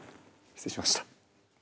失礼しました。